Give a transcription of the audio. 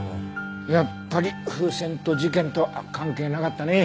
やっぱり風船と事件とは関係なかったね。